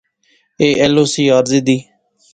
ایہہ ایل او سی عارضی دی